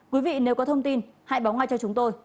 quý vị nếu có thông tin hãy báo ngay cho chúng tôi